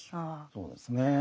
そうですね。